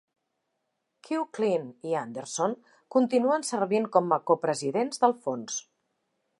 Kieu Chinh i Anderson continuen servint com a copresidents del fons.